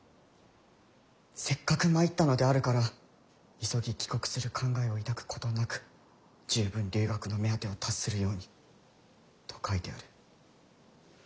せっかく参ったのであるから急ぎ帰国する考えを抱くことなく十分留学の目当てを達するように」と書いてある。